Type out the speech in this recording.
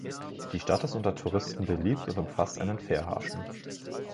Die Stadt ist unter Touristen beliebt und umfasst einen Fährhafen.